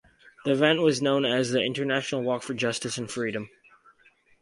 The event was known as the "International Walk for Justice and Freedom".